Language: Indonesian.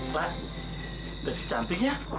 pak desi cantiknya